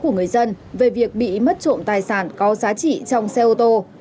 của người dân về việc bị mất trộm tài sản có giá trị trong xe ô tô